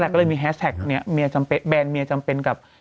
ก็เลยมีแฮสแท็กแบรนด์เมียจำเป็นกับ